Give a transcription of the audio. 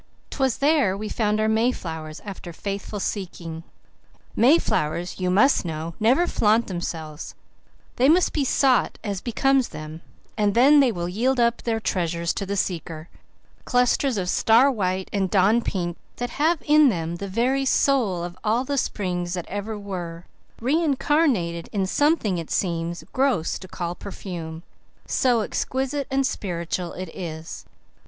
'Twas there we found our mayflowers, after faithful seeking. Mayflowers, you must know, never flaunt themselves; they must be sought as becomes them, and then they will yield up their treasures to the seeker clusters of star white and dawn pink that have in them the very soul of all the springs that ever were, re incarnated in something it seems gross to call perfume, so exquisite and spiritual is it.